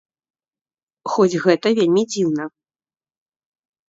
Хоць гэта вельмі дзіўна.